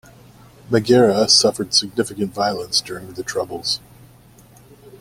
Maghera suffered significant violence during the Troubles.